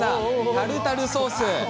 タルタルソース！